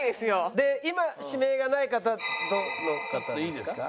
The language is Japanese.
で今指名がない方どの方ですか？